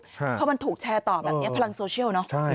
เพราะมันถูกแชร์ต่อแบบนี้พลังโซเชียลเนอะ